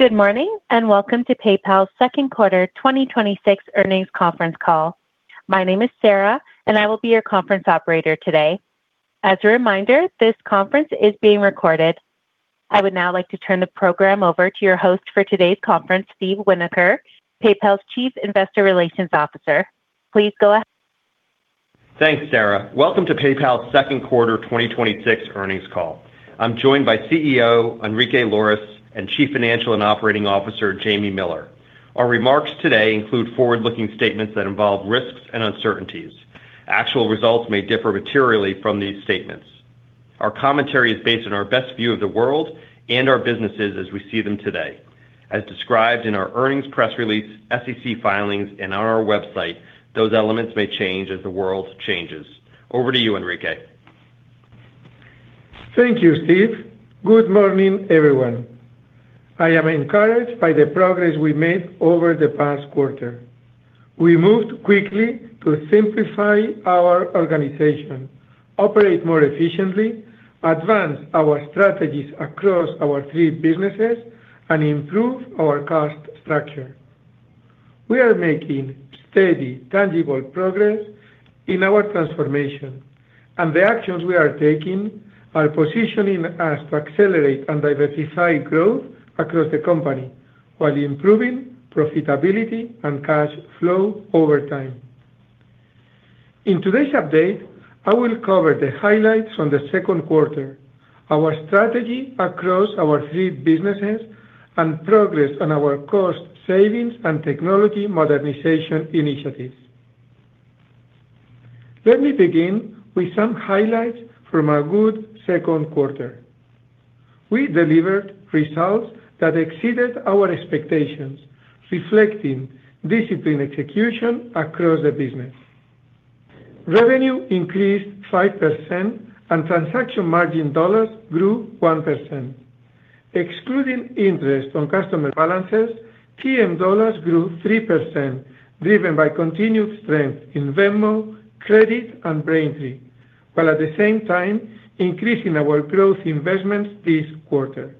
Good morning. Welcome to PayPal's second quarter 2026 earnings conference call. My name is Sarah, and I will be your conference operator today. As a reminder, this conference is being recorded. I would now like to turn the program over to your host for today's conference, Steve Winoker, PayPal's Chief Investor Relations Officer. Please go ahead. Thanks, Sarah. Welcome to PayPal's second quarter 2026 earnings call. I'm joined by CEO, Enrique Lores, and Chief Financial and Operating Officer, Jamie Miller. Our remarks today include forward-looking statements that involve risks and uncertainties. Actual results may differ materially from these statements. Our commentary is based on our best view of the world and our businesses as we see them today. As described in our earnings press release, SEC filings, and on our website, those elements may change as the world changes. Over to you, Enrique. Thank you, Steve. Good morning, everyone. I am encouraged by the progress we made over the past quarter. We moved quickly to simplify our organization, operate more efficiently, advance our strategies across our three businesses, and improve our cost structure. We are making steady, tangible progress in our transformation. The actions we are taking are positioning us to accelerate and diversify growth across the company while improving profitability and cash flow over time. In today's update, I will cover the highlights from the second quarter, our strategy across our three businesses, and progress on our cost savings and technology modernization initiatives. Let me begin with some highlights from a good second quarter. We delivered results that exceeded our expectations, reflecting disciplined execution across the business. Revenue increased 5% and transaction margin dollars grew 1%. Excluding interest on customer balances, TM dollars grew 3%, driven by continued strength in Venmo, credit, and Braintree, while at the same time increasing our growth investments this quarter.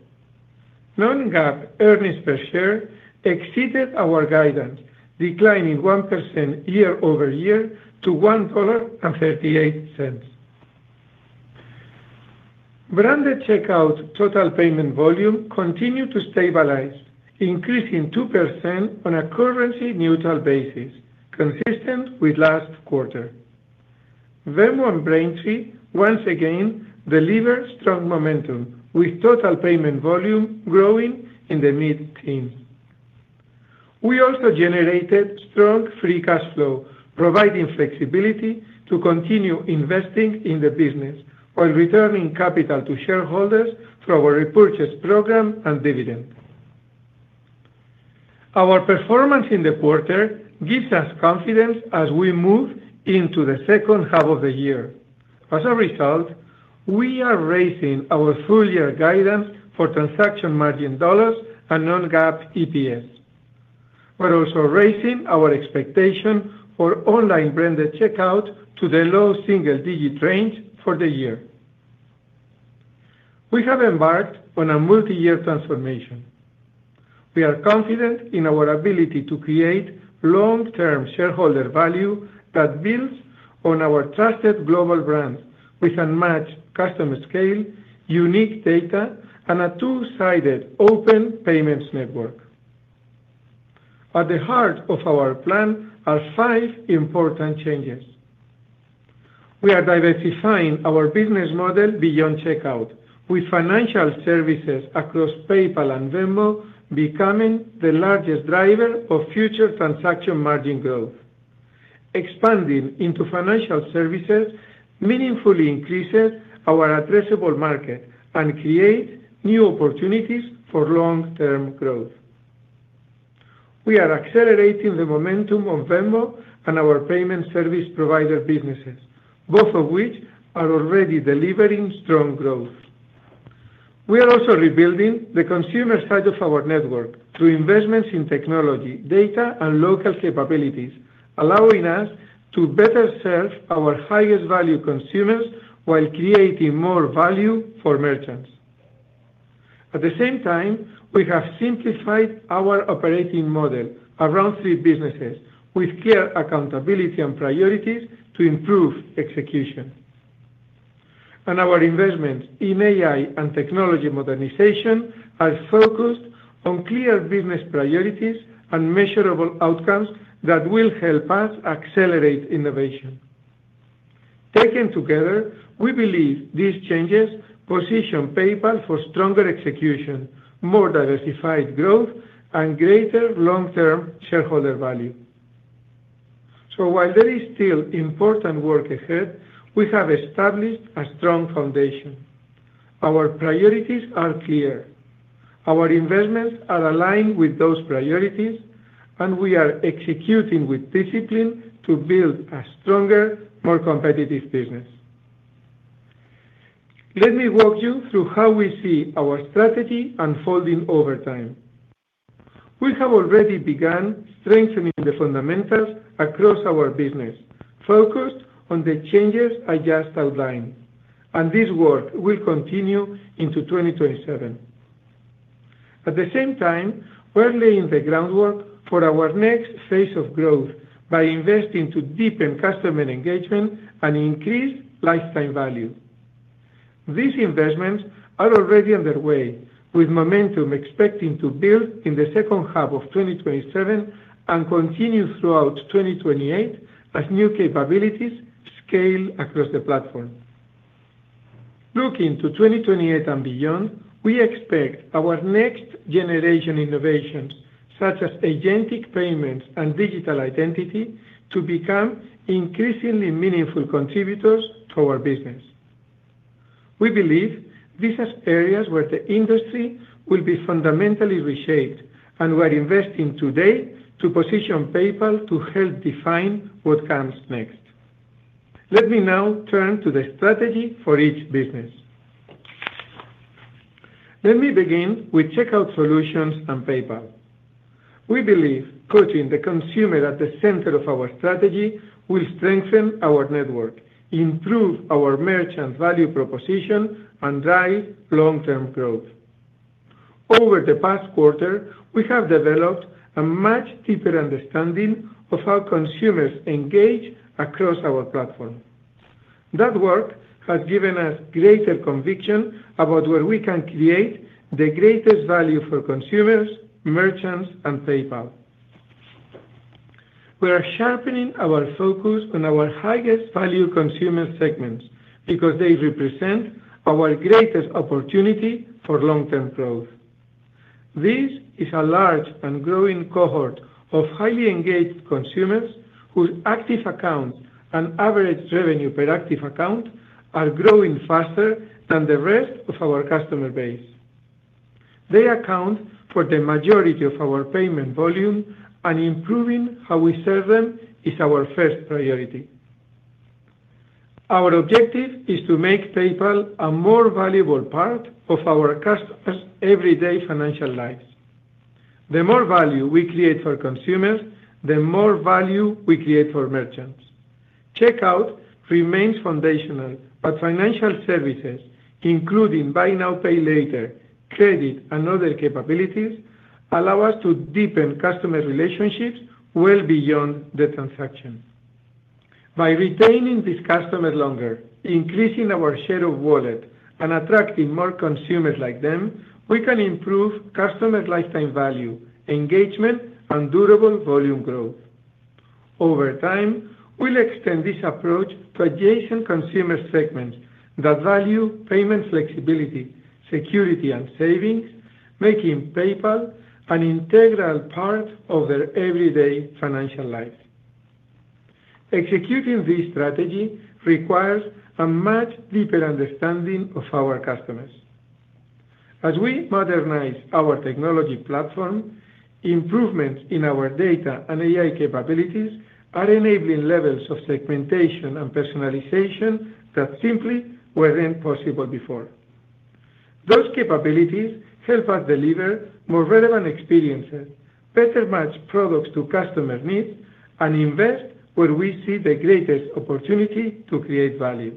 Non-GAAP earnings per share exceeded our guidance, declining 1% year-over-year to $1.38. Branded checkout total payment volume continued to stabilize, increasing 2% on a currency neutral basis, consistent with last quarter. Venmo and Braintree once again delivered strong momentum with total payment volume growing in the mid-teens. We also generated strong free cash flow, providing flexibility to continue investing in the business while returning capital to shareholders through our repurchase program and dividend. Our performance in the quarter gives us confidence as we move into the second half of the year. As a result, we are raising our full-year guidance for transaction margin dollars and non-GAAP EPS. We're also raising our expectation for online branded checkout to the low single-digit range for the year. We have embarked on a multi-year transformation. We are confident in our ability to create long-term shareholder value that builds on our trusted global brands with unmatched customer scale, unique data, and a two-sided open payments network. At the heart of our plan are five important changes. We are diversifying our business model beyond checkout, with financial services across PayPal and Venmo becoming the largest driver of future transaction margin growth. Expanding into financial services meaningfully increases our addressable market and create new opportunities for long-term growth. We are accelerating the momentum on Venmo and our payment service provider businesses, both of which are already delivering strong growth. We are also rebuilding the consumer side of our network through investments in technology, data, and local capabilities, allowing us to better serve our highest value consumers while creating more value for merchants. At the same time, we have simplified our operating model around three businesses with clear accountability and priorities to improve execution. Our investments in AI and technology modernization are focused on clear business priorities and measurable outcomes that will help us accelerate innovation. Taken together, we believe these changes position PayPal for stronger execution, more diversified growth, and greater long-term shareholder value. While there is still important work ahead, we have established a strong foundation. Our priorities are clear. Our investments are aligned with those priorities, and we are executing with discipline to build a stronger, more competitive business. Let me walk you through how we see our strategy unfolding over time. We have already begun strengthening the fundamentals across our business, focused on the changes I just outlined. This work will continue into 2027. At the same time, we're laying the groundwork for our next phase of growth by investing to deepen customer engagement and increase lifetime value. These investments are already underway, with momentum expecting to build in the second half of 2027 and continue throughout 2028 as new capabilities scale across the platform. Looking to 2028 and beyond, we expect our next generation innovations, such as agentic payments and digital identity, to become increasingly meaningful contributors to our business. We believe these are areas where the industry will be fundamentally reshaped. We're investing today to position PayPal to help define what comes next. Let me now turn to the strategy for each business. Let me begin with checkout solutions and PayPal. We believe putting the consumer at the center of our strategy will strengthen our network, improve our merchant value proposition, and drive long-term growth. Over the past quarter, we have developed a much deeper understanding of how consumers engage across our platform. That work has given us greater conviction about where we can create the greatest value for consumers, merchants, and PayPal. We are sharpening our focus on our highest value consumer segments because they represent our greatest opportunity for long-term growth. This is a large and growing cohort of highly engaged consumers whose active accounts and average revenue per active account are growing faster than the rest of our customer base. They account for the majority of our payment volume. Improving how we serve them is our first priority. Our objective is to make PayPal a more valuable part of our customers' everyday financial lives. The more value we create for consumers, the more value we create for merchants. Checkout remains foundational, but financial services, including buy now, pay later, credit, and other capabilities, allow us to deepen customer relationships well beyond the transaction. By retaining this customer longer, increasing our share of wallet, and attracting more consumers like them, we can improve customer lifetime value, engagement, and durable volume growth. Over time, we'll extend this approach to adjacent consumer segments that value payment flexibility, security, and savings, making PayPal an integral part of their everyday financial lives. Executing this strategy requires a much deeper understanding of our customers. As we modernize our technology platform, improvements in our data and AI capabilities are enabling levels of segmentation and personalization that simply weren't possible before. Those capabilities help us deliver more relevant experiences, better match products to customer needs, and invest where we see the greatest opportunity to create value.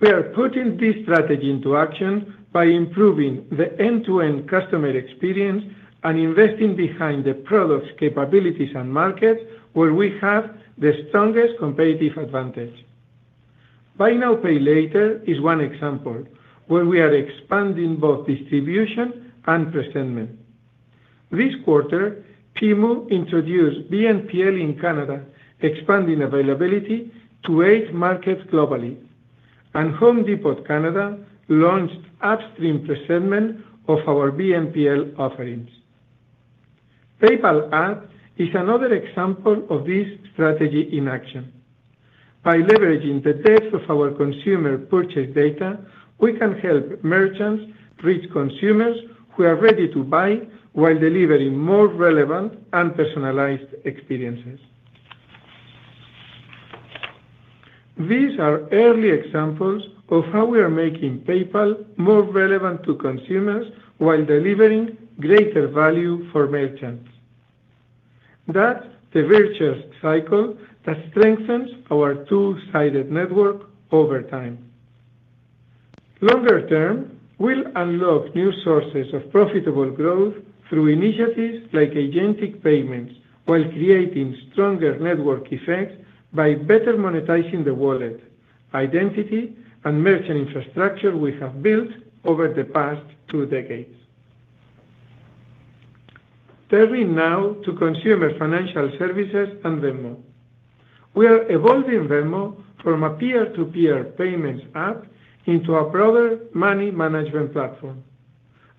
We are putting this strategy into action by improving the end-to-end customer experience and investing behind the products, capabilities, and markets where we have the strongest competitive advantage. Buy now, pay later is one example, where we are expanding both distribution and presentment. This quarter, Temu introduced BNPL in Canada, expanding availability to eight markets globally, and Home Depot Canada launched upstream presentment of our BNPL offerings. PayPal Ads is another example of this strategy in action. By leveraging the depth of our consumer purchase data, we can help merchants reach consumers who are ready to buy while delivering more relevant and personalized experiences. These are early examples of how we are making PayPal more relevant to consumers while delivering greater value for merchants. That's the virtuous cycle that strengthens our two-sided network over time. Longer term, we'll unlock new sources of profitable growth through initiatives like agentic payments while creating stronger network effects by better monetizing the wallet, identity, and merchant infrastructure we have built over the past two decades. Turning now to consumer financial services and Venmo. We are evolving Venmo from a peer-to-peer payments app into a broader money management platform.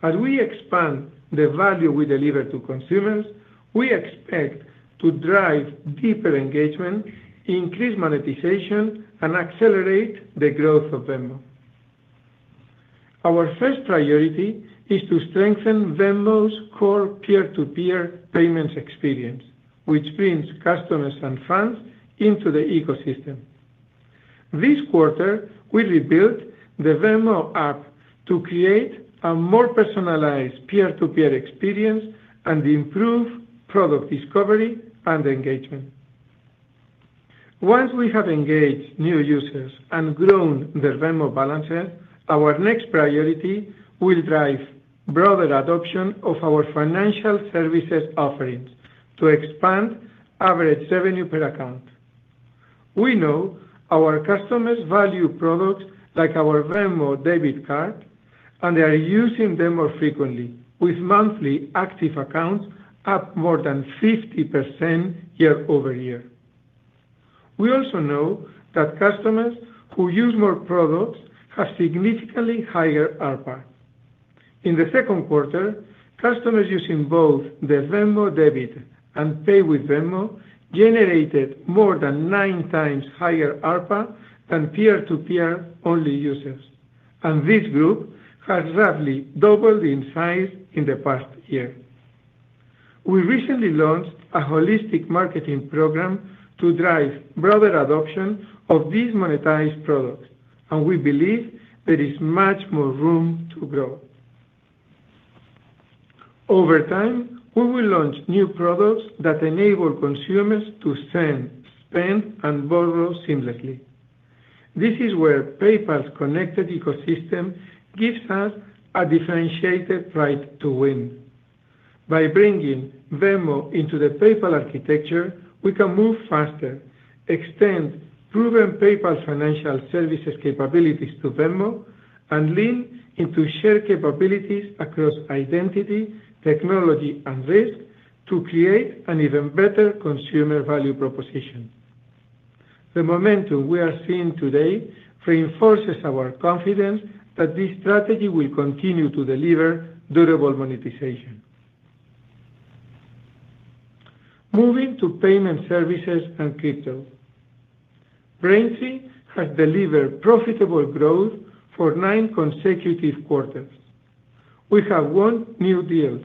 As we expand the value we deliver to consumers, we expect to drive deeper engagement, increase monetization, and accelerate the growth of Venmo. Our first priority is to strengthen Venmo's core peer-to-peer payments experience, which brings customers and friends into the ecosystem. This quarter, we rebuilt the Venmo app to create a more personalized peer-to-peer experience and improve product discovery and engagement. Once we have engaged new users and grown their Venmo balance, our next priority will drive broader adoption of our financial services offerings to expand average revenue per account. We know our customers value products like our Venmo Debit Card, and they are using them more frequently, with monthly active accounts up more than 50% year-over-year. We also know that customers who use more products have significantly higher ARPA. In the second quarter, customers using both the Venmo Debit Card and Pay with Venmo generated more than 9x higher ARPA than peer-to-peer only users, and this group has roughly doubled in size in the past year. We recently launched a holistic marketing program to drive broader adoption of these monetized products, and we believe there is much more room to grow. Over time, we will launch new products that enable consumers to send, spend, and borrow seamlessly. This is where PayPal's connected ecosystem gives us a differentiated right to win. By bringing Venmo into the PayPal architecture, we can move faster, extend proven PayPal financial services capabilities to Venmo, and lean into shared capabilities across identity, technology, and risk to create an even better consumer value proposition. The momentum we are seeing today reinforces our confidence that this strategy will continue to deliver durable monetization. Moving to payment services and crypto. Braintree has delivered profitable growth for nine consecutive quarters. We have won new deals,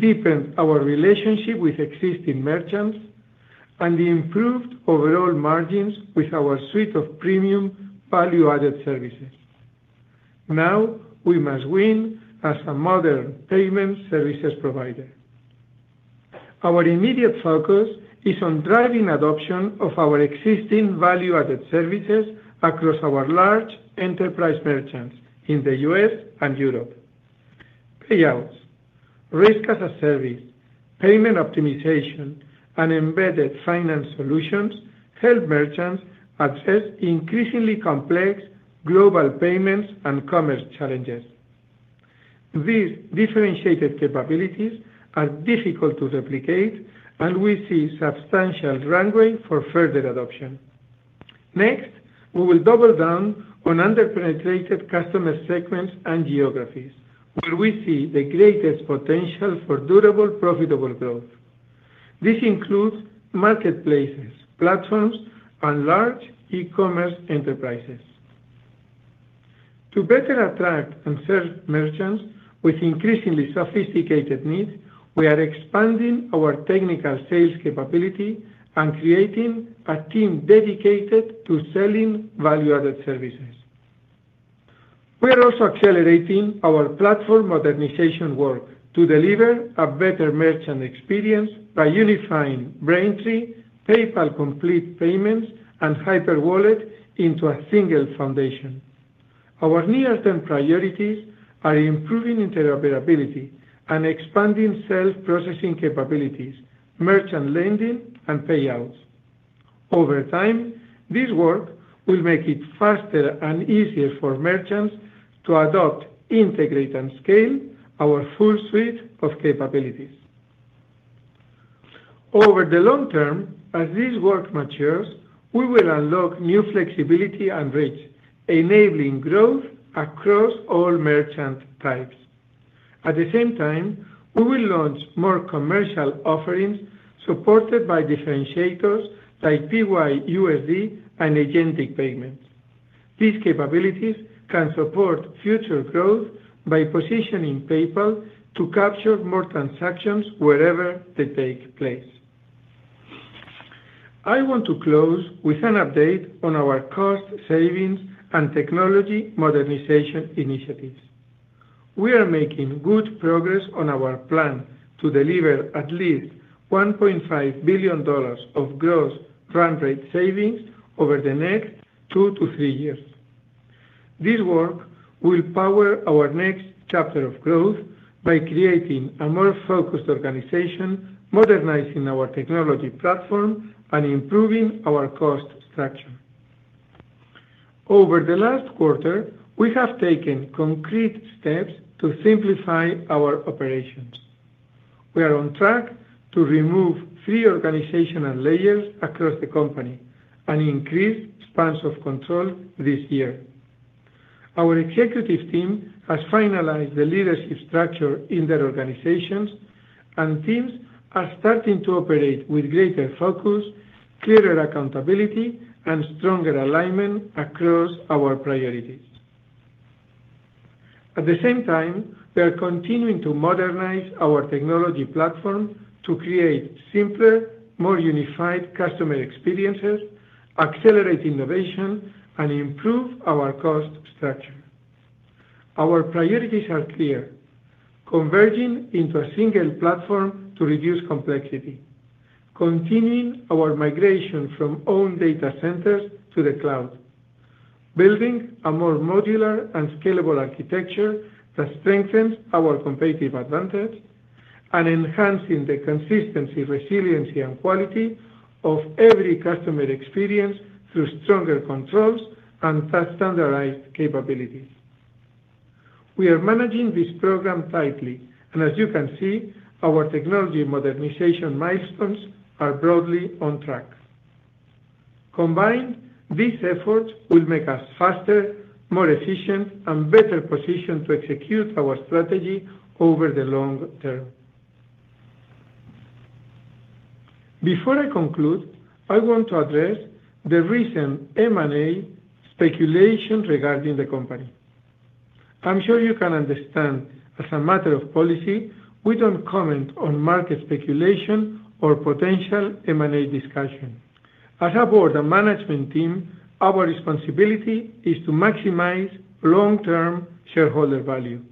deepened our relationship with existing merchants, and improved overall margins with our suite of premium value-added services. Now, we must win as a modern payment services provider. Our immediate focus is on driving adoption of our existing value-added services across our large enterprise merchants in the U.S. and Europe. Payouts, risk as a service, payment optimization, and embedded finance solutions help merchants address increasingly complex global payments and commerce challenges. These differentiated capabilities are difficult to replicate, and we see substantial runway for further adoption. Next, we will double down on under-penetrated customer segments and geographies where we see the greatest potential for durable profitable growth. This includes marketplaces, platforms, and large e-commerce enterprises. To better attract and serve merchants with increasingly sophisticated needs, we are expanding our technical sales capability and creating a team dedicated to selling value-added services. We are also accelerating our platform modernization work to deliver a better merchant experience by unifying Braintree, PayPal Complete Payments, and Hyperwallet into a single foundation. Our near-term priorities are improving interoperability and expanding self-processing capabilities, merchant lending, and payouts. Over time, this work will make it faster and easier for merchants to adopt, integrate, and scale our full suite of capabilities. Over the long term, as this work matures, we will unlock new flexibility and reach, enabling growth across all merchant types. At the same time, we will launch more commercial offerings supported by differentiators like PYUSD and agentic payments. These capabilities can support future growth by positioning PayPal to capture more transactions wherever they take place. I want to close with an update on our cost savings and technology modernization initiatives. We are making good progress on our plan to deliver at least $1.5 billion of gross run rate savings over the next two to three years. This work will power our next chapter of growth by creating a more focused organization, modernizing our technology platform, and improving our cost structure. Over the last quarter, we have taken concrete steps to simplify our operations. We are on track to remove three organizational layers across the company and increase spans of control this year. Our executive team has finalized the leadership structure in their organizations, and teams are starting to operate with greater focus, clearer accountability, and stronger alignment across our priorities. At the same time, we are continuing to modernize our technology platform to create simpler, more unified customer experiences, accelerate innovation, and improve our cost structure. Our priorities are clear, converging into a single platform to reduce complexity, continuing our migration from owned data centers to the cloud, building a more modular and scalable architecture that strengthens our competitive advantage, and enhancing the consistency, resiliency, and quality of every customer experience through stronger controls and standardized capabilities. We are managing this program tightly. As you can see, our technology modernization milestones are broadly on track. Combined, these efforts will make us faster, more efficient, and better positioned to execute our strategy over the long term. Before I conclude, I want to address the recent M&A speculation regarding the company. I'm sure you can understand, as a matter of policy, we don't comment on market speculation or potential M&A discussion. As a board and management team, our responsibility is to maximize long-term shareholder value.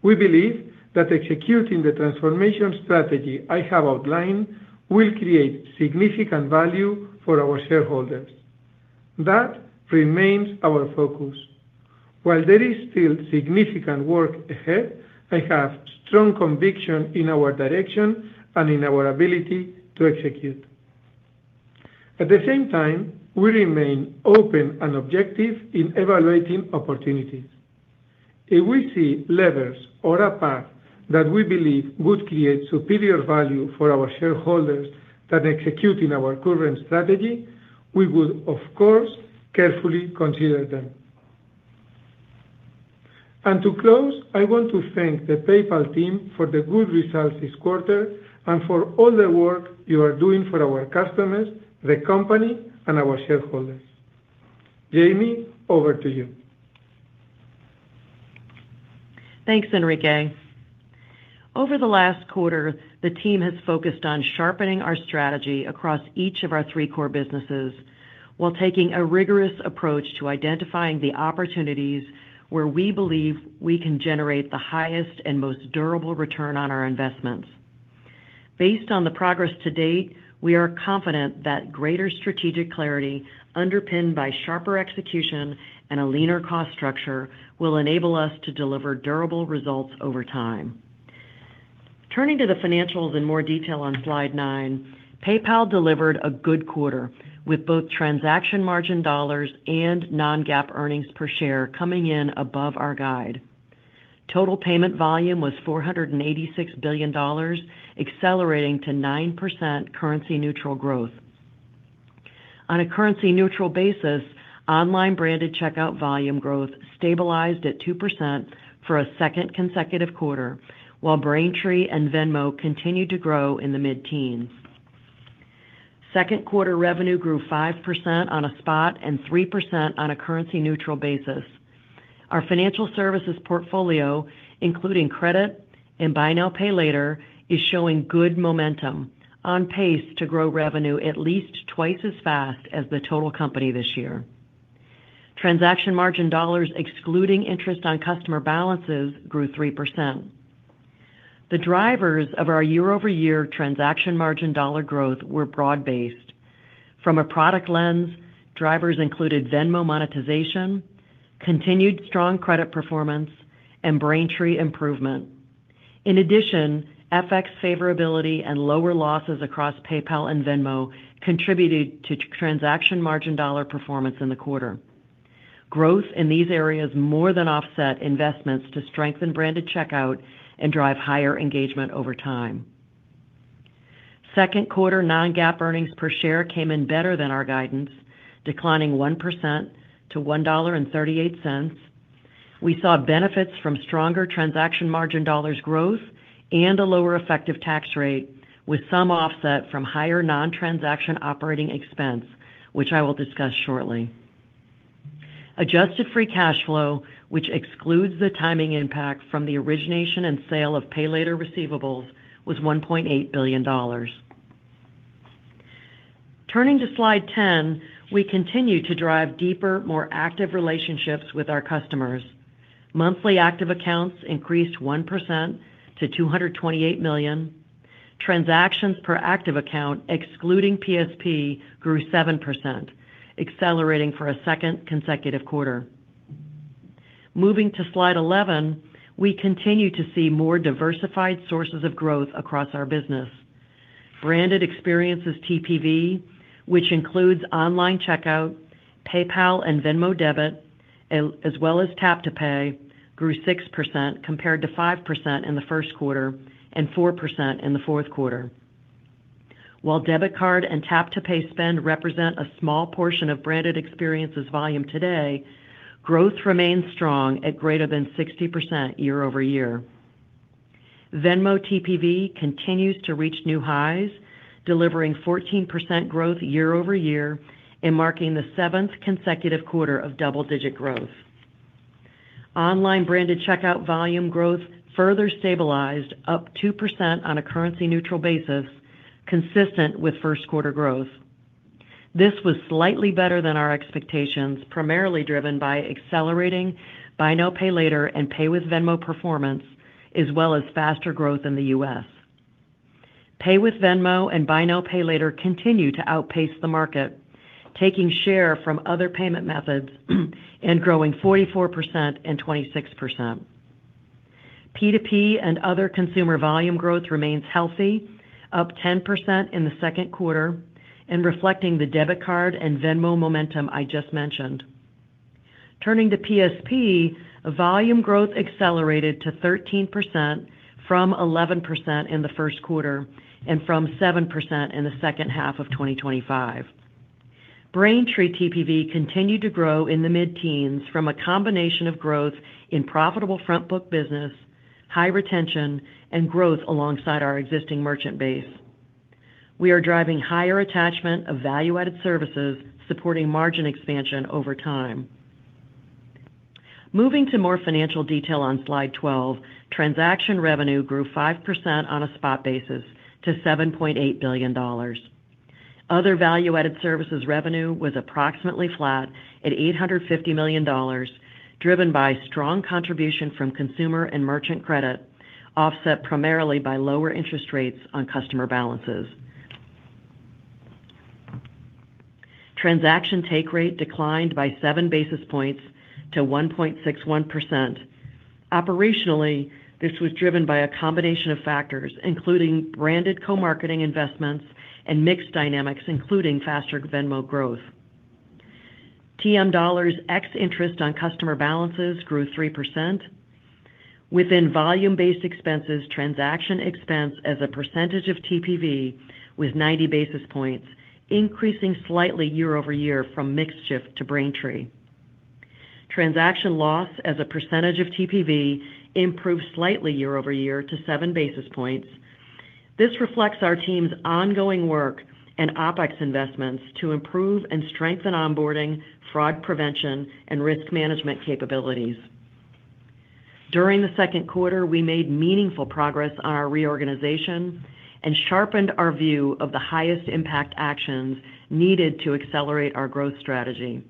We believe that executing the transformation strategy I have outlined will create significant value for our shareholders. That remains our focus. While there is still significant work ahead, I have strong conviction in our direction and in our ability to execute. At the same time, we remain open and objective in evaluating opportunities. If we see levers or a path that we believe would create superior value for our shareholders than executing our current strategy, we would, of course, carefully consider them. To close, I want to thank the PayPal team for the good results this quarter and for all the work you are doing for our customers, the company, and our shareholders. Jamie, over to you. Thanks, Enrique. Over the last quarter, the team has focused on sharpening our strategy across each of our three core businesses while taking a rigorous approach to identifying the opportunities where we believe we can generate the highest and most durable return on our investments. Based on the progress to date, we are confident that greater strategic clarity underpinned by sharper execution and a leaner cost structure will enable us to deliver durable results over time. Turning to the financials in more detail on slide nine, PayPal delivered a good quarter with both transaction margin dollars and non-GAAP earnings per share coming in above our guide. total payment volume was $486 billion, accelerating to 9% currency neutral growth. On a currency neutral basis, online branded checkout volume growth stabilized at 2% for a second consecutive quarter, while Braintree and Venmo continued to grow in the mid-teens. Second quarter revenue grew 5% on a spot and 3% on a currency neutral basis. Our financial services portfolio, including credit and buy now, pay later, is showing good momentum, on pace to grow revenue at least twice as fast as the total company this year. Transaction margin dollars excluding interest on customer balances grew 3%. The drivers of our year-over-year transaction margin dollar growth were broad-based. From a product lens, drivers included Venmo monetization, continued strong credit performance, and Braintree improvement. In addition, FX favorability and lower losses across PayPal and Venmo contributed to transaction margin dollar performance in the quarter. Growth in these areas more than offset investments to strengthen branded checkout and drive higher engagement over time. Second quarter non-GAAP earnings per share came in better than our guidance, declining 1% to $1.38. We saw benefits from stronger transaction margin dollars growth and a lower effective tax rate with some offset from higher non-transaction operating expense, which I will discuss shortly. Adjusted free cash flow, which excludes the timing impact from the origination and sale of Pay Later receivables, was $1.8 billion. Turning to slide 10, we continue to drive deeper, more active relationships with our customers. Monthly active accounts increased 1% to 228 million. Transactions per active account excluding PSP grew 7%, accelerating for a second consecutive quarter. Moving to slide 11, we continue to see more diversified sources of growth across our business. Branded experiences TPV, which includes online checkout, PayPal and Venmo Debit Card, as well as tap to pay, grew 6% compared to 5% in the first quarter and 4% in the fourth quarter. While Venmo Debit Card and tap to pay spend represent a small portion of branded experiences volume today, growth remains strong at greater than 60% year-over-year. Venmo TPV continues to reach new highs, delivering 14% growth year-over-year and marking the seventh consecutive quarter of double-digit growth. Online branded checkout volume growth further stabilized up 2% on a currency-neutral basis, consistent with first quarter growth. This was slightly better than our expectations, primarily driven by accelerating buy now, pay later and Pay with Venmo performance, as well as faster growth in the U.S. Pay with Venmo and buy now, pay later continue to outpace the market, taking share from other payment methods and growing 44% and 26%. P2P and other consumer volume growth remains healthy, up 10% in the second quarter and reflecting the Debit Card and Venmo momentum I just mentioned. Turning to PSP, volume growth accelerated to 13% from 11% in the first quarter and from 7% in the second half of 2025. Braintree TPV continued to grow in the mid-teens from a combination of growth in profitable front book business, high retention, and growth alongside our existing merchant base. We are driving higher attachment of value-added services supporting margin expansion over time. Moving to more financial detail on slide 12, transaction revenue grew 5% on a spot basis to $7.8 billion. Other value-added services revenue was approximately flat at $850 million, driven by strong contribution from consumer and merchant credit, offset primarily by lower interest rates on customer balances. Transaction take rate declined by 7 basis points to 1.61%. Operationally, this was driven by a combination of factors, including branded co-marketing investments and mixed dynamics, including faster Venmo growth. TM dollars ex interest on customer balances grew 3%. Within volume-based expenses, transaction expense as a percentage of TPV was 90 basis points, increasing slightly year-over-year from mix shift to Braintree. Transaction loss as a percentage of TPV improved slightly year-over-year to 7 basis points. This reflects our team's ongoing work and OpEx investments to improve and strengthen onboarding, fraud prevention, and risk management capabilities. During the second quarter, we made meaningful progress on our reorganization and sharpened our view of the highest impact actions needed to accelerate our growth strategy.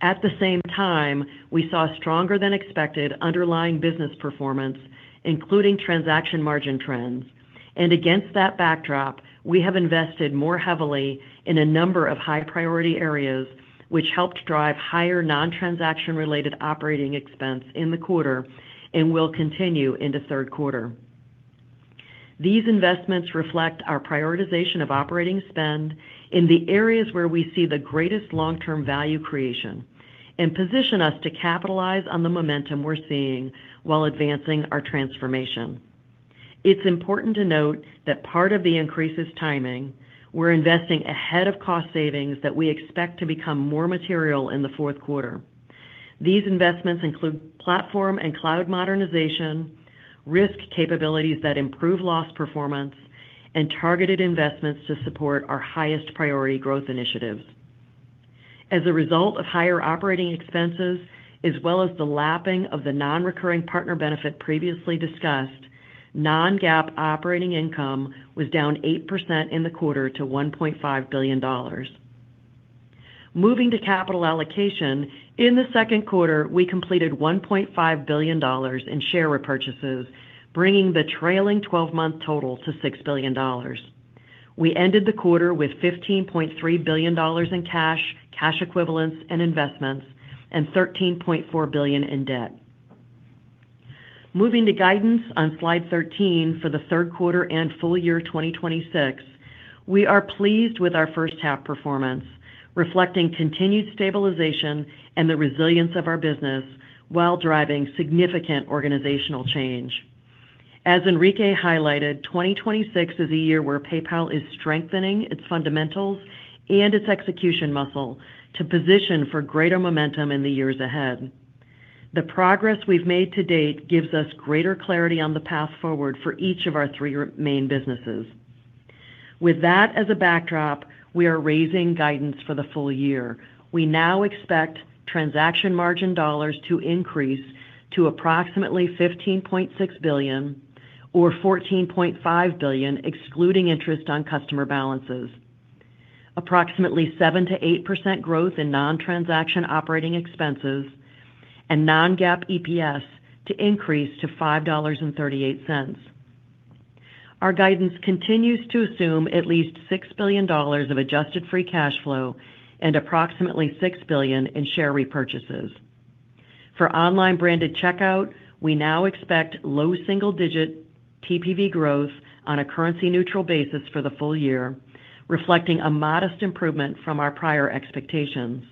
At the same time, we saw stronger than expected underlying business performance, including transaction margin trends. Against that backdrop, we have invested more heavily in a number of high-priority areas, which helped drive higher non-transaction related operating expense in the quarter and will continue into third quarter. These investments reflect our prioritization of operating spend in the areas where we see the greatest long-term value creation and position us to capitalize on the momentum we're seeing while advancing our transformation. It's important to note that part of the increase is timing. We're investing ahead of cost savings that we expect to become more material in the fourth quarter. These investments include platform and cloud modernization, risk capabilities that improve loss performance, and targeted investments to support our highest priority growth initiatives. As a result of higher operating expenses, as well as the lapping of the non-recurring partner benefit previously discussed, non-GAAP operating income was down 8% in the quarter to $1.5 billion. Moving to capital allocation, in the second quarter, we completed $1.5 billion in share repurchases, bringing the trailing 12-month total to $6 billion. We ended the quarter with $15.3 billion in cash equivalents, and investments, and $13.4 billion in debt. Moving to guidance on slide 13 for the third quarter and full year 2026, we are pleased with our first half performance, reflecting continued stabilization and the resilience of our business while driving significant organizational change. As Enrique highlighted, 2026 is a year where PayPal is strengthening its fundamentals and its execution muscle to position for greater momentum in the years ahead. The progress we've made to date gives us greater clarity on the path forward for each of our three main businesses. With that as a backdrop, we are raising guidance for the full year. We now expect transaction margin dollars to increase to approximately $15.6 billion or $14.5 billion, excluding interest on customer balances. Approximately 7%-8% growth in non-transaction operating expenses and non-GAAP EPS to increase to $5.38. Our guidance continues to assume at least $6 billion of adjusted free cash flow and approximately $6 billion in share repurchases. For online branded checkout, we now expect low single-digit TPV growth on a currency neutral basis for the full year, reflecting a modest improvement from our prior expectations.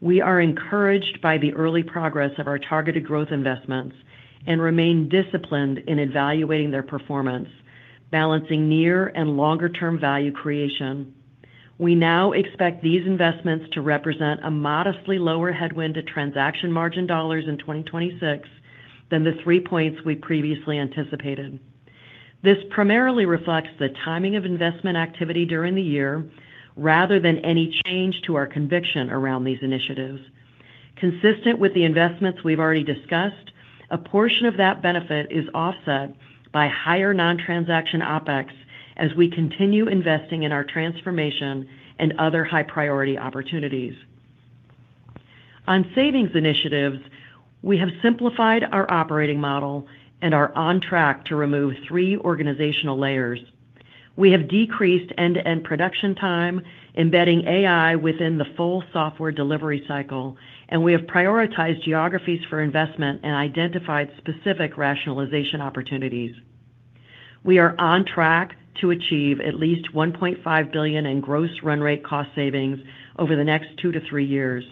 We are encouraged by the early progress of our targeted growth investments and remain disciplined in evaluating their performance, balancing near and longer-term value creation. We now expect these investments to represent a modestly lower headwind to transaction margin dollars in 2026 than the three points we previously anticipated. This primarily reflects the timing of investment activity during the year, rather than any change to our conviction around these initiatives. Consistent with the investments we've already discussed, a portion of that benefit is offset by higher non-transaction OpEx as we continue investing in our transformation and other high-priority opportunities. On savings initiatives, we have simplified our operating model and are on track to remove three organizational layers. We have decreased end-to-end production time, embedding AI within the full software delivery cycle, and we have prioritized geographies for investment and identified specific rationalization opportunities. We are on track to achieve at least $1.5 billion in gross run rate cost savings over the next two to three years.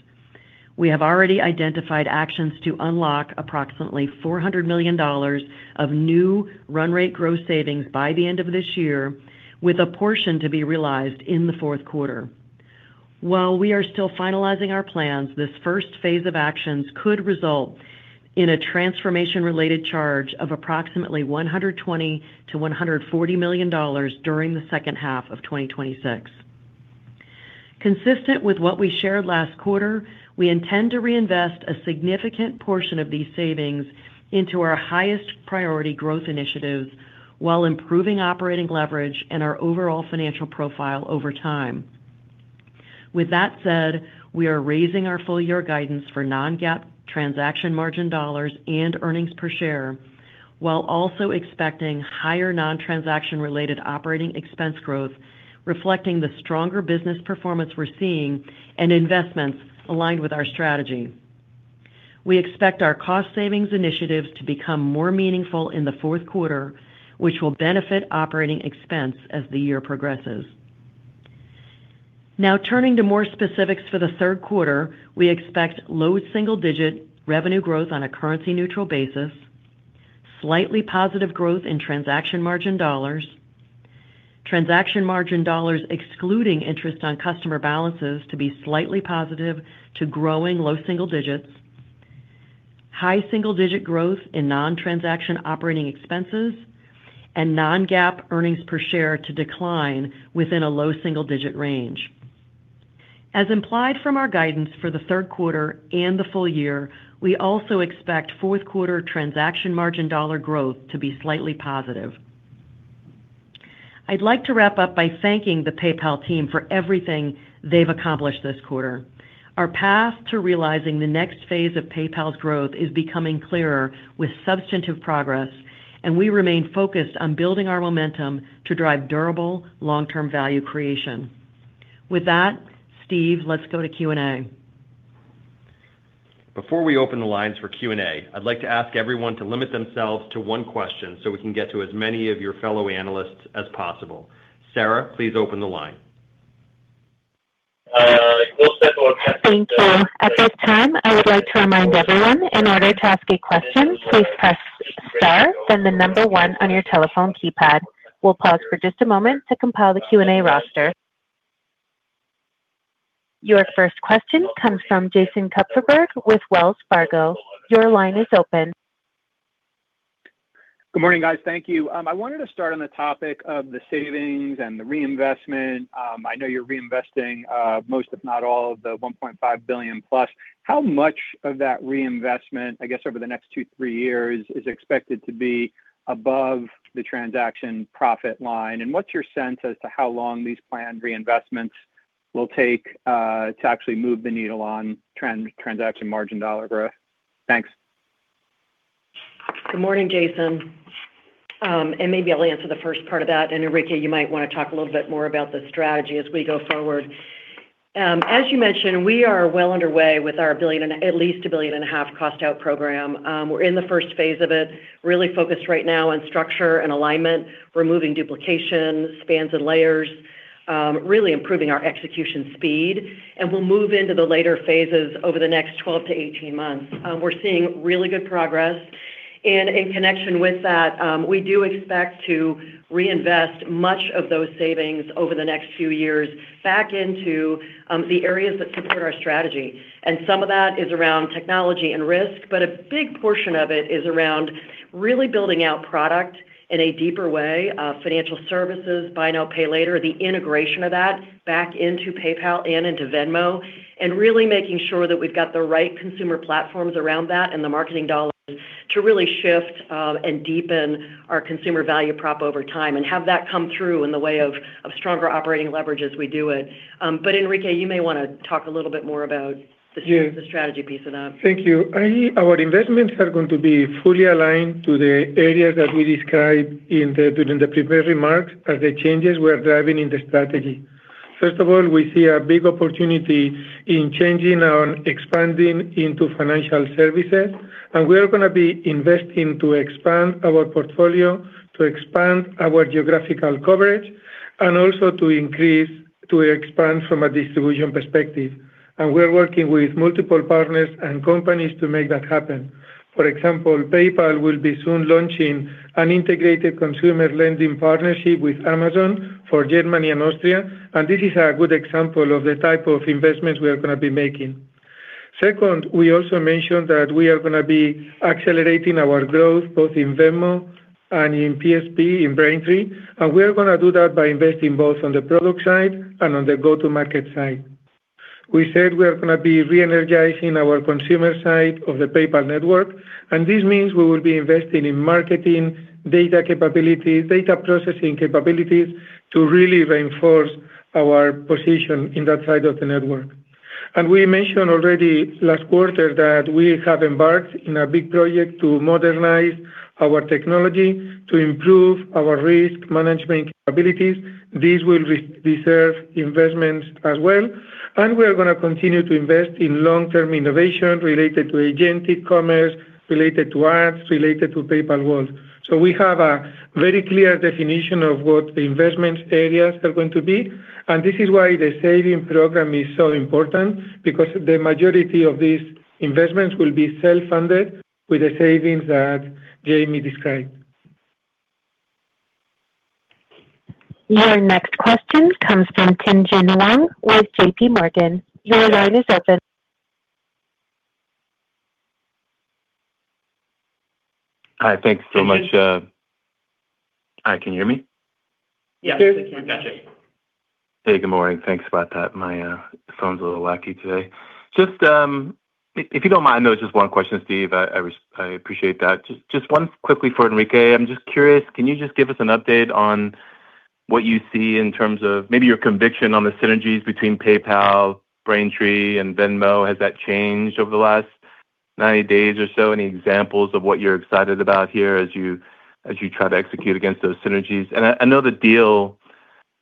We have already identified actions to unlock approximately $400 million of new run rate gross savings by the end of this year, with a portion to be realized in the fourth quarter. While we are still finalizing our plans, this first phase of actions could result in a transformation-related charge of approximately $120 million-$140 million during the second half of 2026. Consistent with what we shared last quarter, we intend to reinvest a significant portion of these savings into our highest priority growth initiatives while improving operating leverage and our overall financial profile over time. With that said, we are raising our full-year guidance for non-GAAP transaction margin dollars and earnings per share, while also expecting higher non-transaction related operating expense growth reflecting the stronger business performance we're seeing and investments aligned with our strategy. We expect our cost savings initiatives to become more meaningful in the fourth quarter, which will benefit operating expense as the year progresses. Turning to more specifics for the third quarter, we expect low double-digit revenue growth on a currency-neutral basis, slightly positive growth in transaction margin dollars, transaction margin dollars excluding interest on customer balances to be slightly positive to growing low single digits, high single-digit growth in non-transaction operating expenses, and non-GAAP earnings per share to decline within a low single-digit range. As implied from our guidance for the third quarter and the full year, we also expect fourth quarter transaction margin dollar growth to be slightly positive. I'd like to wrap up by thanking the PayPal team for everything they've accomplished this quarter. Our path to realizing the next phase of PayPal's growth is becoming clearer with substantive progress, and we remain focused on building our momentum to drive durable long-term value creation. With that, Steve, let's go to Q&A. Before we open the lines for Q&A, I'd like to ask everyone to limit themselves to one question so we can get to as many of your fellow analysts as possible. Sarah, please open the line. Thank you. At this time, I would like to remind everyone, in order to ask a question, please press star then the number one on your telephone keypad. We'll pause for just a moment to compile the Q&A roster. Your first question comes from Jason Kupferberg with Wells Fargo. Your line is open. Good morning, guys. Thank you. I wanted to start on the topic of the savings and the reinvestment. I know you're reinvesting most, if not all, of the $1.5+ billion. How much of that reinvestment, I guess, over the next two, three years, is expected to be above the transaction profit line? What's your sense as to how long these planned reinvestments will take to actually move the needle on transaction margin dollar growth? Thanks. Good morning, Jason. Maybe I'll answer the first part of that, Enrique, you might want to talk a little bit more about the strategy as we go forward. As you mentioned, we are well underway with our at least a $1.5 billion cost-out program. We're in the first phase of it, really focused right now on structure and alignment, removing duplication, spans and layers, really improving our execution speed. We'll move into the later phases over the next 12-18 months. We're seeing really good progress. In connection with that, we do expect to reinvest much of those savings over the next few years back into the areas that support our strategy. Some of that is around technology and risk, a big portion of it is around really building out product in a deeper way, financial services, buy now, pay later, the integration of that back into PayPal and into Venmo. Really making sure that we've got the right consumer platforms around that and the marketing dollars to really shift, and deepen our consumer value prop over time and have that come through in the way of stronger operating leverage as we do it. Enrique, you may want to talk a little bit more about the— Sure. The strategy piece of that. Thank you. Our investments are going to be fully aligned to the areas that we described during the prepared remarks as the changes we are driving in the strategy. First of all, we see a big opportunity in changing and expanding into financial services, we are going to be investing to expand our portfolio, to expand our geographical coverage, and also to expand from a distribution perspective. We're working with multiple partners and companies to make that happen. For example, PayPal will be soon launching an integrated consumer lending partnership with Amazon for Germany and Austria, this is a good example of the type of investments we are going to be making. Second, we also mentioned that we are going to be accelerating our growth both in Venmo and in PSP, in Braintree. We are going to do that by investing both on the product side and on the go-to-market side. We said we are going to be re-energizing our consumer side of the PayPal network, this means we will be investing in marketing, data capabilities, data processing capabilities to really reinforce our position in that side of the network. We mentioned already last quarter that we have embarked on a big project to modernize our technology to improve our risk management capabilities. These will deserve investments as well. We are going to continue to invest in long-term innovation related to agent commerce, related to ads, related to PayPal World. We have a very clear definition of what the investment areas are going to be, this is why the saving program is so important, because the majority of these investments will be self-funded with the savings that Jamie described. Your next question comes from Tien-Tsin Huang with JPMorgan. Your line is open. Hi. Thanks so much. Hi, can you hear me? Yes, we can. Hey, good morning. Thanks about that. My phone's a little wacky today. If you don't mind, though, just one question, Steve. I appreciate that. Just one quickly for Enrique. I'm just curious, can you just give us an update on what you see in terms of maybe your conviction on the synergies between PayPal, Braintree, and Venmo? Has that changed over the last 90 days or so? Any examples of what you're excited about here as you try to execute against those synergies? I know the deal,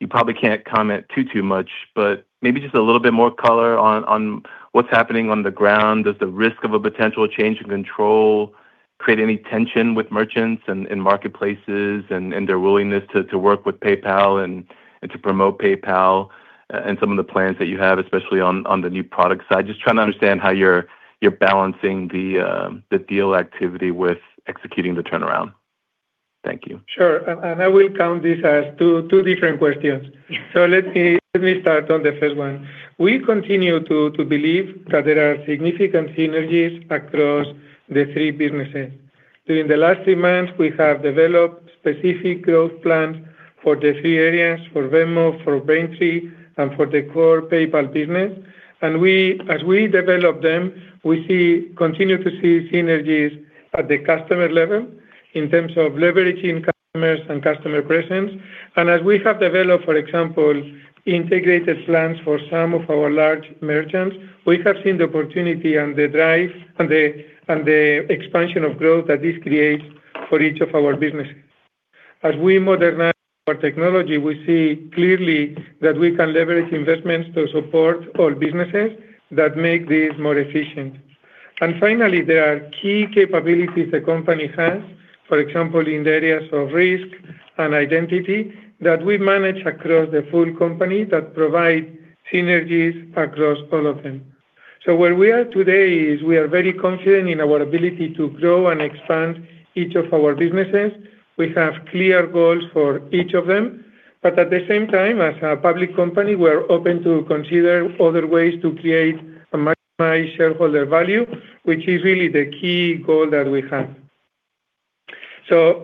you probably can't comment too much, but maybe just a little bit more color on what's happening on the ground. Does the risk of a potential change in control create any tension with merchants and in marketplaces and in their willingness to work with PayPal and to promote PayPal and some of the plans that you have, especially on the new product side? Just trying to understand how you're balancing the deal activity with executing the turnaround. Thank you. Sure. I will count this as two different questions. Let me start on the first one. We continue to believe that there are significant synergies across the three businesses. During the last three months, we have developed specific growth plans for the three areas, for Venmo, for Braintree, and for the core PayPal business. As we develop them, we continue to see synergies at the customer level in terms of leveraging customers and customer presence. As we have developed, for example, integrated plans for some of our large merchants, we have seen the opportunity and the drive and the expansion of growth that this creates for each of our businesses. As we modernize our technology, we see clearly that we can leverage investments to support all businesses that make this more efficient. Finally, there are key capabilities the company has, for example, in the areas of risk and identity, that we manage across the full company that provide synergies across all of them. Where we are today is we are very confident in our ability to grow and expand each of our businesses. We have clear goals for each of them. At the same time, as a public company, we're open to consider other ways to create and maximize shareholder value, which is really the key goal that we have.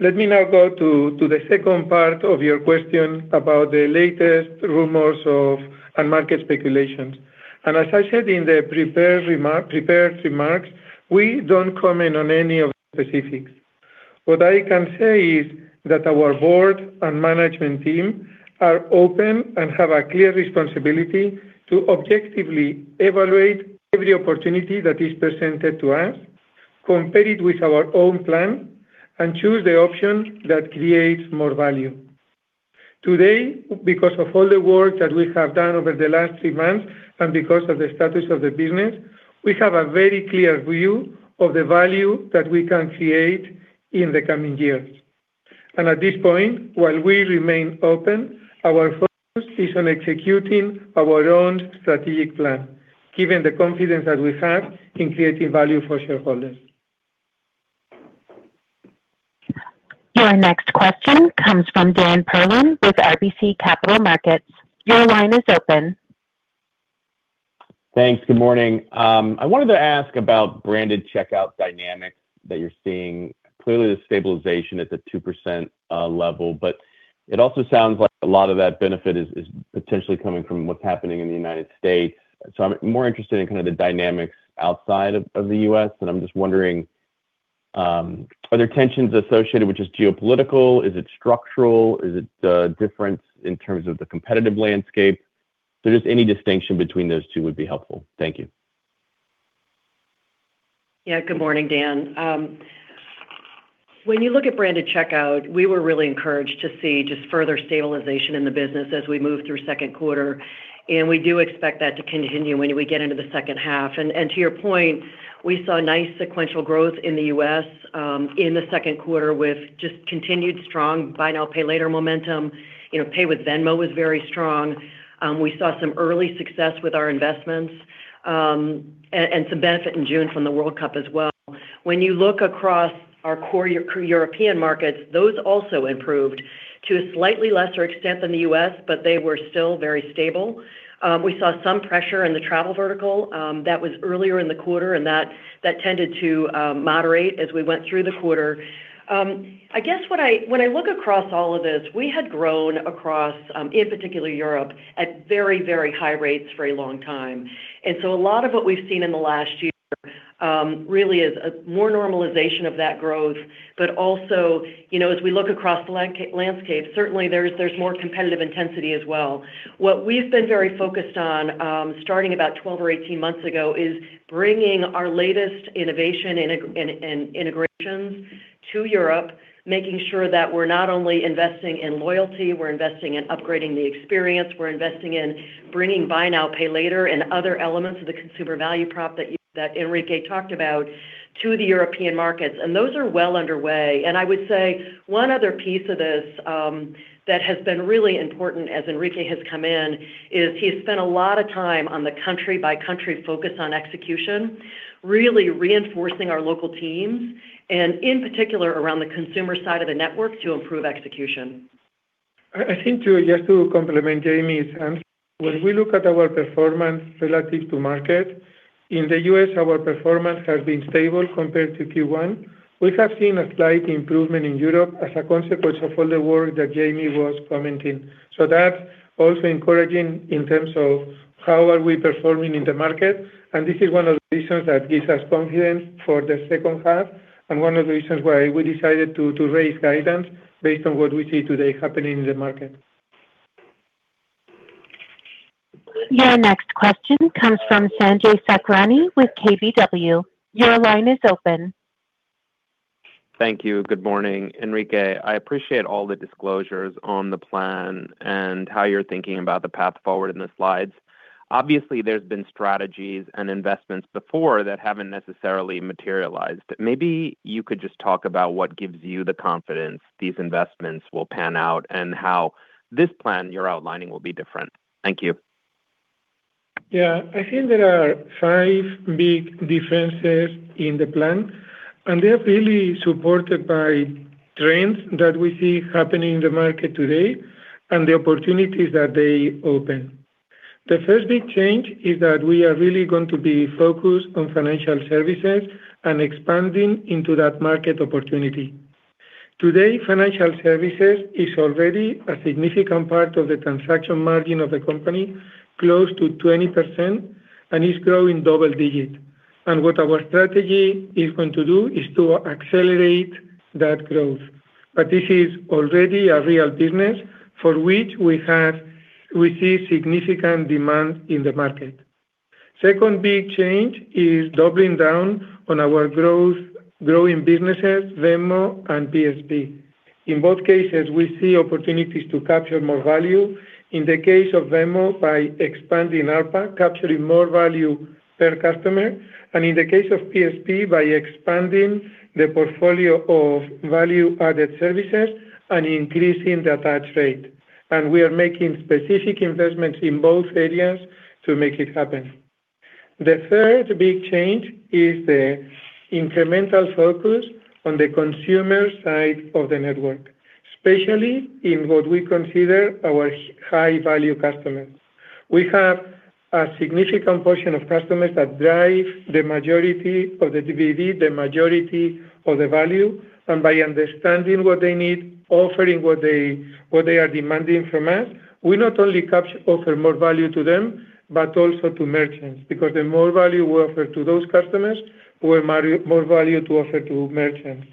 Let me now go to the second part of your question about the latest rumors of, and market speculations. As I said in the prepared remarks, we don't comment on any of the specifics. What I can say is that our board and management team are open and have a clear responsibility to objectively evaluate every opportunity that is presented to us, compare it with our own plan, and choose the option that creates more value. Today, because of all the work that we have done over the last three months and because of the status of the business, we have a very clear view of the value that we can create in the coming years. At this point, while we remain open, our focus is on executing our own strategic plan, given the confidence that we have in creating value for shareholders. Your next question comes from Dan Perlin with RBC Capital Markets. Your line is open. Thanks. Good morning. I wanted to ask about branded checkout dynamics that you're seeing. Clearly, the stabilization at the 2% level. It also sounds like a lot of that benefit is potentially coming from what's happening in the U.S. I'm more interested in the dynamics outside of the U.S., and I'm just wondering, are there tensions associated with just geopolitical? Is it structural? Is it different in terms of the competitive landscape? Just any distinction between those two would be helpful. Thank you. Good morning, Dan. When you look at branded checkout, we were really encouraged to see just further stabilization in the business as we move through second quarter. We do expect that to continue when we get into the second half. To your point, we saw nice sequential growth in the U.S. in the second quarter with just continued strong buy now, pay later momentum. Pay with Venmo was very strong. We saw some early success with our investments, and some benefit in June from the World Cup as well. When you look across our core European markets, those also improved to a slightly lesser extent than the U.S. They were still very stable. We saw some pressure in the travel vertical that was earlier in the quarter. That tended to moderate as we went through the quarter. When I look across all of this, we had grown across, in particular Europe, at very high rates for a long time. A lot of what we've seen in the last year really is a more normalization of that growth. As we look across the landscape, certainly there's more competitive intensity as well. What we've been very focused on, starting about 12 or 18 months ago, is bringing our latest innovation and integrations to Europe, making sure that we're not only investing in loyalty, we're investing in upgrading the experience, we're investing in bringing buy now, pay later and other elements of the consumer value prop that Enrique talked about to the European markets. Those are well underway. I would say one other piece of this that has been really important as Enrique has come in is he's spent a lot of time on the country-by-country focus on execution, really reinforcing our local teams, and in particular, around the consumer side of the network to improve execution. I think, just to complement Jamie's answer, when we look at our performance relative to market, in the U.S., our performance has been stable compared to Q1. We have seen a slight improvement in Europe as a consequence of all the work that Jamie was commenting. That's also encouraging in terms of how are we performing in the market, and this is one of the reasons that gives us confidence for the second half and one of the reasons why we decided to raise guidance based on what we see today happening in the market. Your next question comes from Sanjay Sakhrani with KBW. Your line is open. Thank you. Good morning, Enrique. I appreciate all the disclosures on the plan and how you're thinking about the path forward in the slides. Obviously, there's been strategies and investments before that haven't necessarily materialized. Maybe you could just talk about what gives you the confidence these investments will pan out and how this plan you're outlining will be different. Thank you. Yeah. I think there are five big differences in the plan. They're really supported by trends that we see happening in the market today and the opportunities that they open. The first big change is that we are really going to be focused on financial services and expanding into that market opportunity. Today, financial services is already a significant part of the transaction margin of the company, close to 20%, and is growing double digit. What our strategy is going to do is to accelerate that growth. This is already a real business for which we see significant demand in the market. Second big change is doubling down on our growing businesses, Venmo and PSP. In both cases, we see opportunities to capture more value. In the case of Venmo, by expanding ARPA, capturing more value per customer, in the case of PSP, by expanding the portfolio of value-added services and increasing the attach rate. We are making specific investments in both areas to make it happen. The third big change is the incremental focus on the consumer side of the network, especially in what we consider our high-value customers. We have a significant portion of customers that drive the majority of the TPV, the majority of the value. By understanding what they need, offering what they are demanding from us, we not only offer more value to them, but also to merchants because the more value we offer to those customers, the more value to offer to merchants.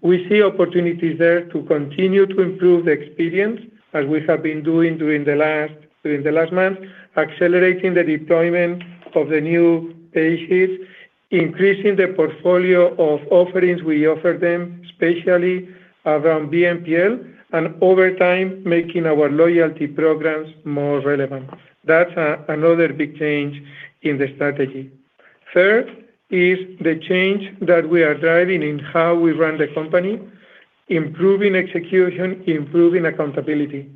We see opportunities there to continue to improve the experience as we have been doing during the last month, accelerating the deployment of the new pay sheets, increasing the portfolio of offerings we offer them, especially around BNPL, and over time, making our loyalty programs more relevant. That's another big change in the strategy. Third is the change that we are driving in how we run the company, improving execution, improving accountability.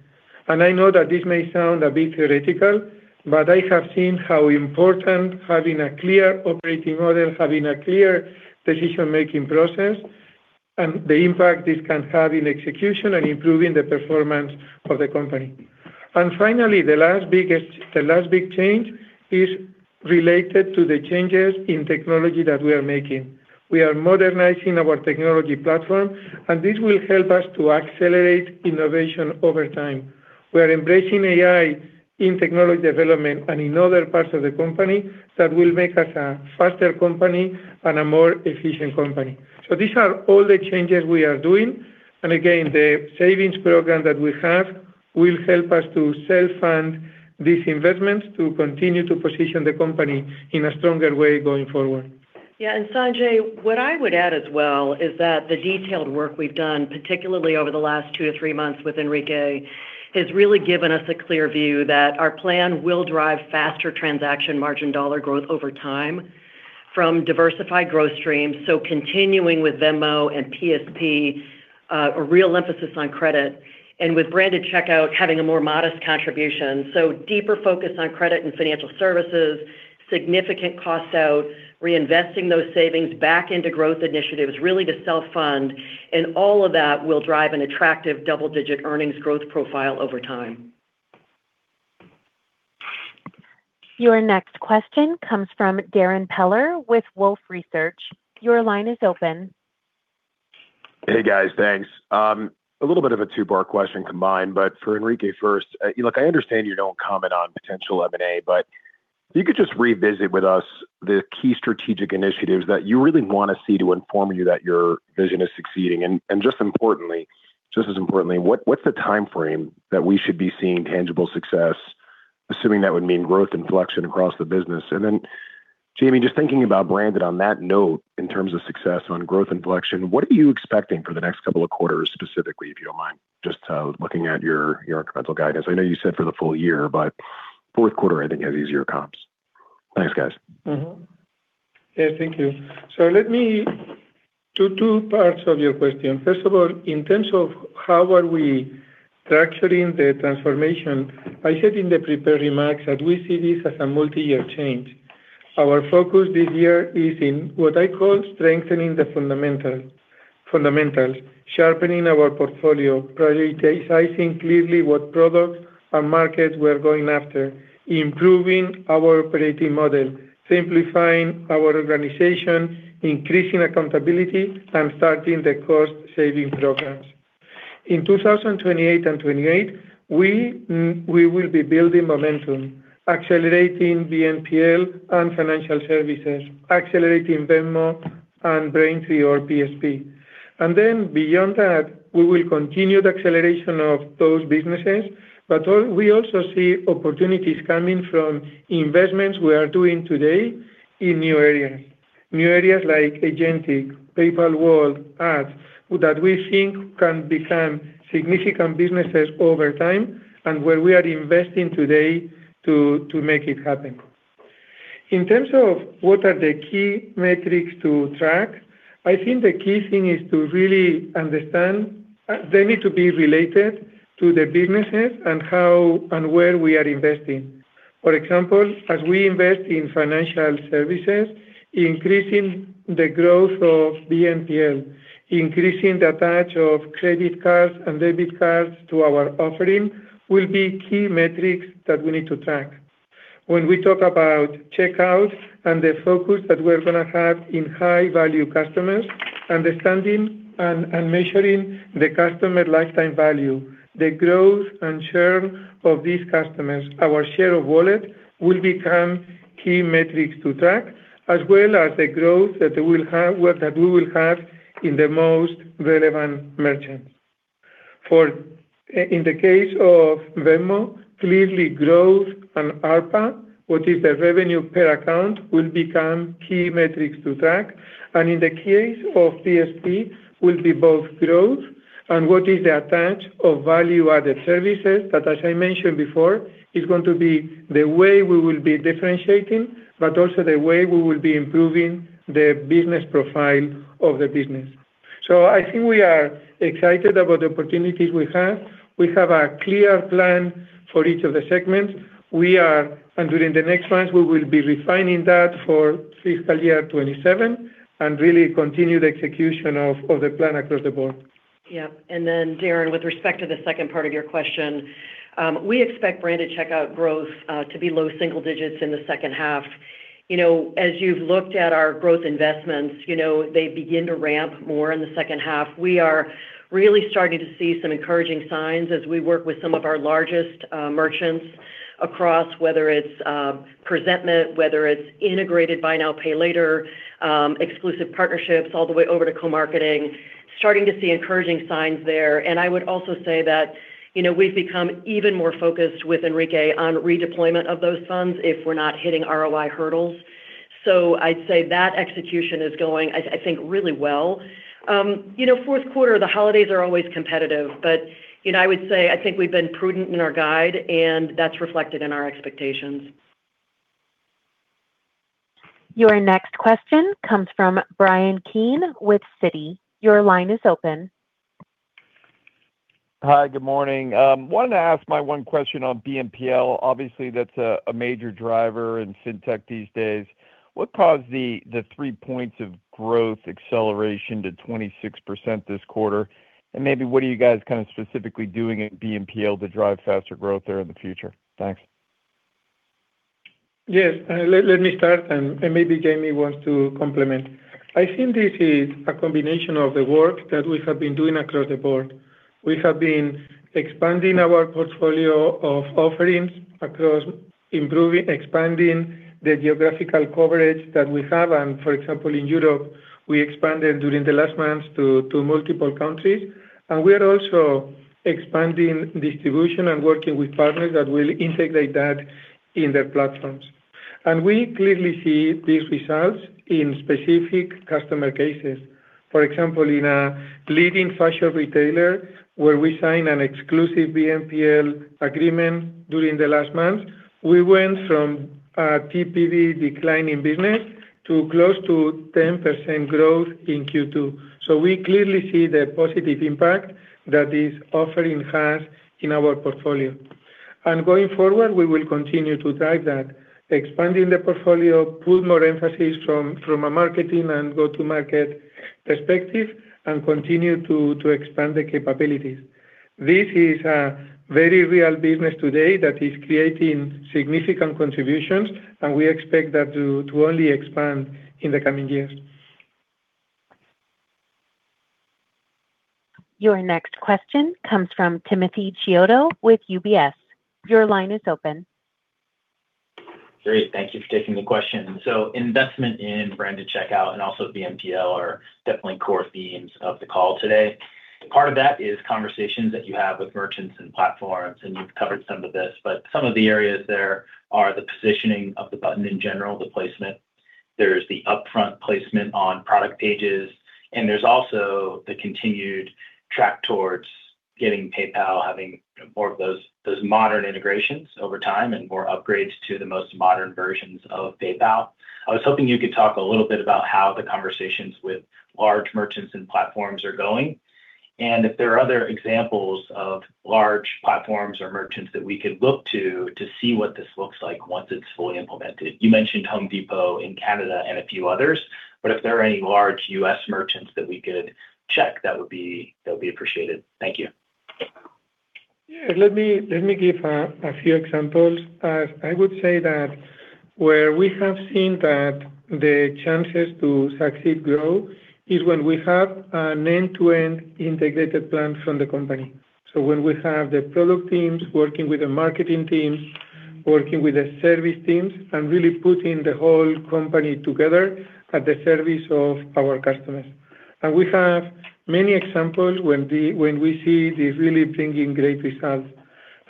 I know that this may sound a bit theoretical, but I have seen how important having a clear operating model, having a clear decision-making process, and the impact this can have in execution and improving the performance of the company. Finally, the last big change is related to the changes in technology that we are making. We are modernizing our technology platform, and this will help us to accelerate innovation over time. We are embracing AI in technology development and in other parts of the company that will make us a faster company and a more efficient company. These are all the changes we are doing. Again, the savings program that we have will help us to self-fund these investments to continue to position the company in a stronger way going forward. Yeah. Sanjay, what I would add as well is that the detailed work we've done, particularly over the last two to three months with Enrique, has really given us a clear view that our plan will drive faster transaction margin dollar growth over time from diversified growth streams. Continuing with Venmo and PSP a real emphasis on credit, and with branded checkout having a more modest contribution. Deeper focus on credit and financial services, significant cost out, reinvesting those savings back into growth initiatives, really to self-fund, and all of that will drive an attractive double-digit earnings growth profile over time. Your next question comes from Darrin Peller with Wolfe Research. Your line is open. A little bit of a two-part question combined for Enrique first. I understand you don't comment on potential M&A, if you could just revisit with us the key strategic initiatives that you really want to see to inform you that your vision is succeeding. Just as importantly, what's the timeframe that we should be seeing tangible success, assuming that would mean growth inflection across the business? Jamie, just thinking about branded on that note, in terms of success on growth inflection, what are you expecting for the next couple of quarters specifically, if you don't mind, just looking at your incremental guidance. I know you said for the full year, fourth quarter, I think, has easier comps. Thanks, guys. Yeah, thank you. Let me do two parts of your question. First of all, in terms of how are we structuring the transformation, I said in the prepared remarks that we see this as a multi-year change. Our focus this year is in what I call strengthening the fundamentals. Sharpening our portfolio, prioritizing clearly what products and markets we are going after, improving our operating model, simplifying our organization, increasing accountability, and starting the cost-saving programs. In 2028, we will be building momentum, accelerating BNPL and financial services, accelerating Venmo and Braintree or PSP. Beyond that, we will continue the acceleration of those businesses, but we also see opportunities coming from investments we are doing today in new areas. New areas like agentic, PayPal World, ads, that we think can become significant businesses over time and where we are investing today to make it happen. In terms of what are the key metrics to track, I think the key thing is to really understand they need to be related to the businesses and how and where we are investing. For example, as we invest in financial services, increasing the growth of BNPL, increasing the attach of credit cards and debit cards to our offering will be key metrics that we need to track. When we talk about checkout and the focus that we're going to have in high-value customers, understanding and measuring the customer lifetime value, the growth and churn of these customers, our share of wallet will become key metrics to track, as well as the growth that we will have in the most relevant merchants. In the case of Venmo, clearly growth and ARPA, what is the revenue per account, will become key metrics to track. In the case of PSP, will be both growth and what is the attach of value-added services that, as I mentioned before, is going to be the way we will be differentiating, but also the way we will be improving the business profile of the business. I think we are excited about the opportunities we have. We have a clear plan for each of the segments. During the next months, we will be refining that for fiscal year 2027 and really continue the execution of the plan across the board. Darrin, with respect to the second part of your question, we expect branded checkout growth to be low single digits in the second half. As you've looked at our growth investments, they begin to ramp more in the second half. We are really starting to see some encouraging signs as we work with some of our largest merchants across, whether it's presentment, whether it's integrated buy now, pay later, exclusive partnerships, all the way over to co-marketing, starting to see encouraging signs there. I would also say that we've become even more focused with Enrique on redeployment of those funds if we're not hitting ROI hurdles. I'd say that execution is going, I think, really well. Fourth quarter, the holidays are always competitive, but I would say I think we've been prudent in our guide, and that's reflected in our expectations. Your next question comes from Bryan Keane with Citi. Your line is open. Hi, good morning. Wanted to ask my one question on BNPL. Obviously, that's a major driver in fintech these days. What caused the three points of growth acceleration to 26% this quarter? Maybe what are you guys specifically doing in BNPL to drive faster growth there in the future? Thanks. Yes. Let me start, and maybe Jamie wants to complement. I think this is a combination of the work that we have been doing across the board. We have been expanding our portfolio of offerings across improving, expanding the geographical coverage that we have. For example, in Europe, we expanded during the last months to multiple countries. We are also expanding distribution and working with partners that will integrate that in their platforms. We clearly see these results in specific customer cases. For example, in a leading fashion retailer where we signed an exclusive BNPL agreement during the last month, we went from a TPV decline in business to close to 10% growth in Q2. We clearly see the positive impact that this offering has in our portfolio. Going forward, we will continue to drive that. Expanding the portfolio, put more emphasis from a marketing and go-to-market perspective, and continue to expand the capabilities. This is a very real business today that is creating significant contributions, and we expect that to only expand in the coming years. Your next question comes from Timothy Chiodo with UBS. Your line is open. Great. Thank you for taking the question. Investment in branded checkout and also BNPL are definitely core themes of the call today. Part of that is conversations that you have with merchants and platforms, and you've covered some of this, but some of the areas there are the positioning of the button in general, the placement. There's the upfront placement on product pages, and there's also the continued track towards getting PayPal having more of those modern integrations over time and more upgrades to the most modern versions of PayPal. I was hoping you could talk a little bit about how the conversations with large merchants and platforms are going. If there are other examples of large platforms or merchants that we could look to see what this looks like once it's fully implemented. You mentioned The Home Depot in Canada and a few others. If there are any large U.S. merchants that we could check, that would be appreciated. Thank you. Yeah, let me give a few examples. I would say that where we have seen that the chances to succeed grow is when we have an end-to-end integrated plan from the company. When we have the product teams working with the marketing teams, working with the service teams, and really putting the whole company together at the service of our customers. We have many examples when we see this really bringing great results.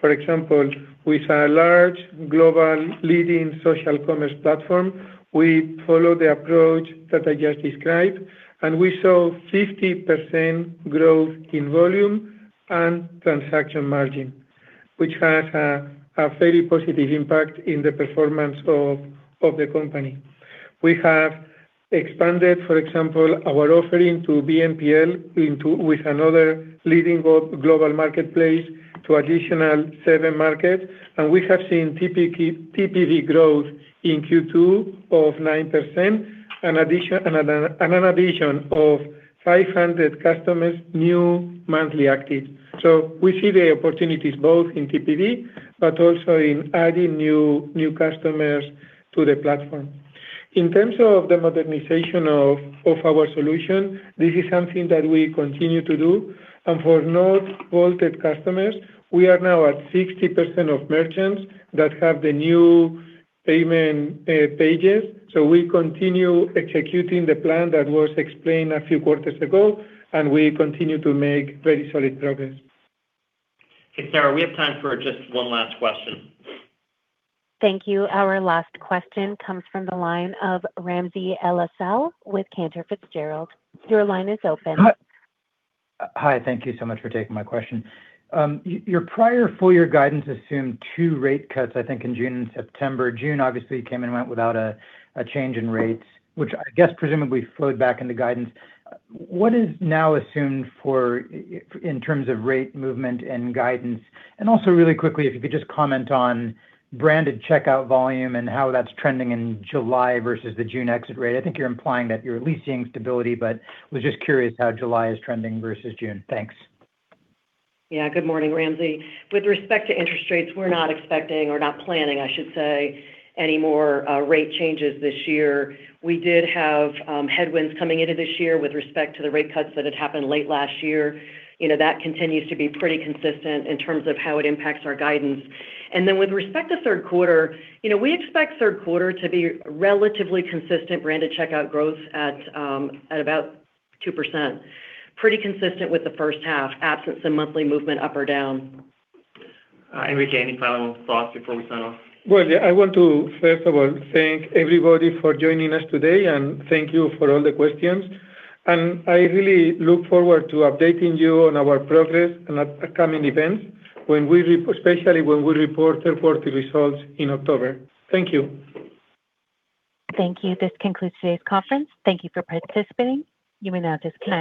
For example, with a large global leading social commerce platform, we follow the approach that I just described. We saw 50% growth in volume and Transaction Margin, which has a very positive impact in the performance of the company. We have expanded, for example, our offering to BNPL with another leading global marketplace to additional seven markets. We have seen TPV growth in Q2 of 9%, and an addition of 500 customers, new monthly active. We see the opportunities both in TPV, also in adding new customers to the platform. In terms of the modernization of our solution, this is something that we continue to do. For now, vaulted customers, we are now at 60% of merchants that have the new payment pages. We continue executing the plan that was explained a few quarters ago, and we continue to make very solid progress. Okay, Sarah, we have time for just one last question. Thank you. Our last question comes from the line of Ramsey El-Assal with Cantor Fitzgerald. Your line is open. Hi. Thank you so much for taking my question. Your prior full-year guidance assumed two rate cuts, I think, in June and September. June obviously came and went without a change in rates, which I guess presumably flowed back into guidance. What is now assumed in terms of rate movement and guidance? Also really quickly, if you could just comment on branded checkout volume and how that's trending in July versus the June exit rate. I think you're implying that you're at least seeing stability, but was just curious how July is trending versus June. Thanks. Yeah. Good morning, Ramsey El-Assal. With respect to interest rates, we're not expecting or not planning, I should say, any more rate changes this year. We did have headwinds coming into this year with respect to the rate cuts that had happened late last year. That continues to be pretty consistent in terms of how it impacts our guidance. With respect to third quarter, we expect third quarter to be relatively consistent branded checkout growth at about 2%. Pretty consistent with the first half, absence in monthly movement up or down. Enrique, any final thoughts before we sign off? Well, yeah. I want to, first of all, thank everybody for joining us today, and thank you for all the questions. I really look forward to updating you on our progress and upcoming events, especially when we report our quarter results in October. Thank you. Thank you. This concludes today's conference. Thank you for participating. You may now disconnect.